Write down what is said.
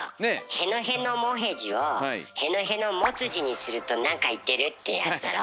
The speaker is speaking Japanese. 「へのへのもへじ」を「へのへのもつじ」にすると何か言ってるってやつだろ？